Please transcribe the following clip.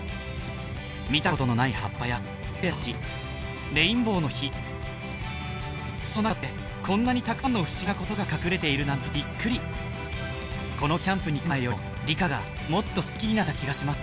見たことのない葉っぱや綺麗な星レインボーの火自然の中ってこんなにたくさんの不思議なことが隠れているなんてびっくりこのキャンプに来る前よりも理科がもっと好きになった気がします